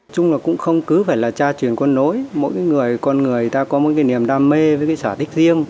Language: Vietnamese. trung là cũng không cứ phải là cha truyền con nối mỗi người con người ta có một cái niềm đam mê với cái sở thích riêng